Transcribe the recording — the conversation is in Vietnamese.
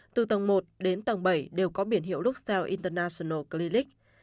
từ tầng một đến tầng bảy đều có biển hiệu luxell international clinic